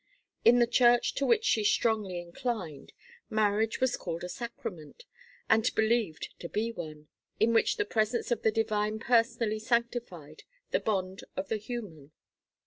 In the church to which she strongly inclined, marriage was called a sacrament, and believed to be one, in which the presence of the Divine personally sanctified the bond of the human.